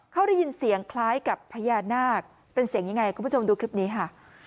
เขาได้ยินเสียงคล้ายกับพญานาคเป็นเสียงยังไงคุณผู้ชมดูคลิปนี้ค่ะ